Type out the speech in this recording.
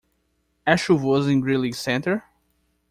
É chuvoso em Greely Center?